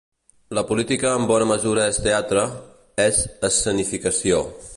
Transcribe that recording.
La política en bona mesura és teatre, és escenificació.